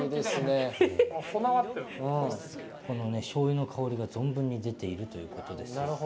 しょうゆのかおりが存分に出ているということです。